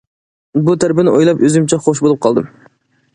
بۇ تەرىپىنى ئويلاپ ئۆزۈمچە خۇش بولۇپ قالدىم.